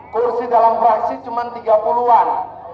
kursi dalam fraksi cuma tiga puluh an